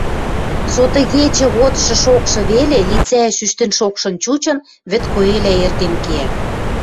Сотыгечӹ годшы шокшы веле, лицӓэш ӱштӹн-шокшын чучын, вӹд коэлӓ эртен кеӓ.